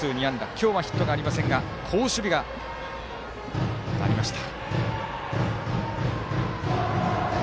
今日はヒットがありませんが好守備がありました。